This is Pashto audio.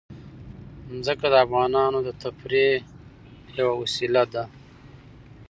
ځمکه د افغانانو د تفریح یوه وسیله ده.